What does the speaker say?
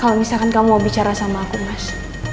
kalau misalkan kamu mau bicara sama aku mas